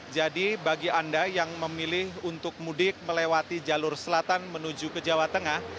jadi bagi anda yang memilih untuk mudik melewati jalur selatan menuju ke jawa tengah